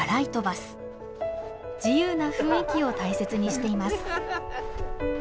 自由な雰囲気を大切にしています。